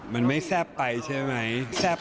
มันไม่แซ่บไปใช่มั้ย